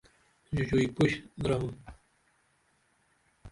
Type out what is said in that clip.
ژوژئی پُش درم